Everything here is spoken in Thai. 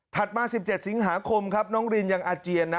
มา๑๗สิงหาคมครับน้องรินยังอาเจียนนะ